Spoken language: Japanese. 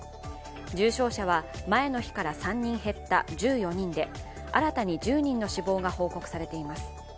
重症者は前の日から３人減った１４人で新たに１０人の死亡が報告されています。